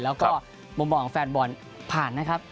แล้วก็มุมมองแฟนบอลได้ผ่อนนะครับ